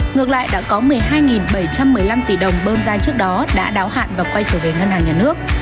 ngược lại đã có một mươi hai bảy trăm một mươi năm tỷ đồng bơm ra trước đó đã đáo hạn và quay trở về ngân hàng nhà nước